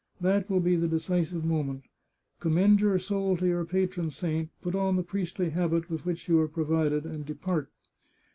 That will be the decisive moment ; commend your soul to your patron saint, put on the priestly habit with which you are provided, and depart.